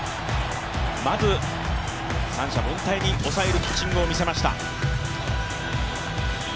まず三者凡退に抑えるピッチングを見せました。